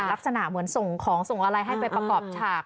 ลักษณะเหมือนส่งของส่งอะไรให้ไปประกอบฉาก